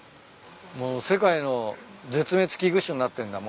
世界の絶滅危惧種になってんだ。